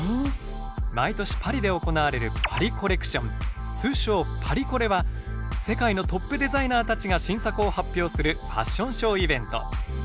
毎年パリで行われるパリ・コレクション通称パリコレは世界のトップデザイナーたちが新作を発表するファッションショーイベント。